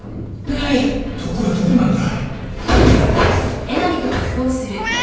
毒はどこなんだ？